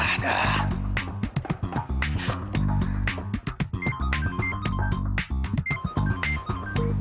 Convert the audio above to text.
sumpah kita ganteng dong